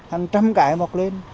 hàng trăm cái mọc lên